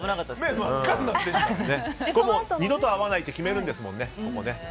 二度と会わないって決めるんですもんね。